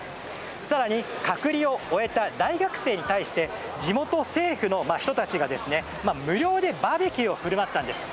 更に隔離を終えた大学生に対して地元政府の人たちが無料でバーベキューを振る舞ったんです。